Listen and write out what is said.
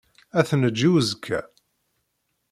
Ad t-neǧǧ i uzekka.